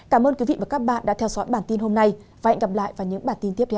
cảm ơn quý vị và các bạn đã theo dõi bản tin hôm nay và hẹn gặp lại vào những bản tin tiếp theo